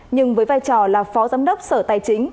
nhưng với vai trò là phó giám đốc sở tài chính